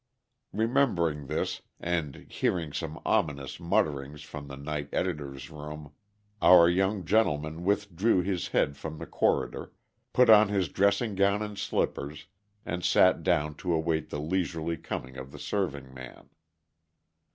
Remembering this, and hearing some ominous mutterings from the night editor's room, our young gentleman withdrew his head from the corridor, put on his dressing gown and slippers, and sat down to await the leisurely coming of the serving man.